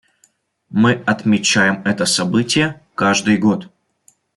Мы отмечаем это событие каждый год.